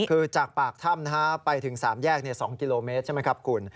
คือจากปากถ้ำนะฮะไปถึง๓แยก๒กิโลเมตรใช่ไหมครับคุณ